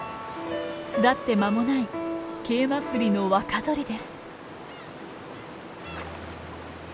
巣立って間もないケイマフリの若鳥です。